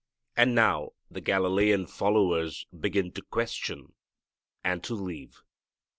And now the Galilean followers begin to question, and to leave.